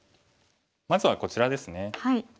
まずはこちらですね。